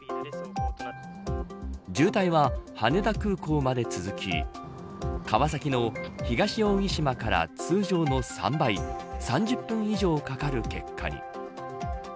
渋滞は羽田空港まで続き川崎の東扇島から通常の３倍３０分以上かかる結果に。